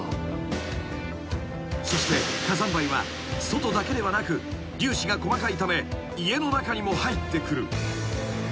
［そして火山灰は外だけではなく粒子が細かいため家の中にも入ってくる］